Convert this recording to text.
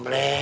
buat lo ya